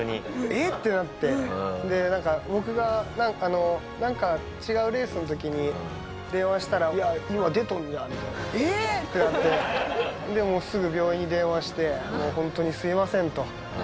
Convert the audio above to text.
えっ！？ってなってで僕がなんか違うレースの時に電話したら「今出とるんや」みたいな「ええっ！？」ってなってもうすぐ病院に電話して「ホントにすみません」と。